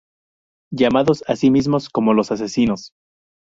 Llamados a sí mismos como los "Asesinos".